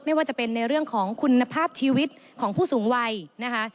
ไม่ว่าจะเป็นในเรื่องของคุณภาพชีวิตของผู้สูงวัยนะคะ